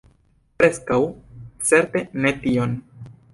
Preskaŭ certe ne tion.